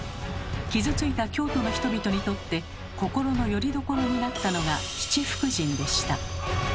傷ついた京都の人々にとって心のよりどころになったのが七福神でした。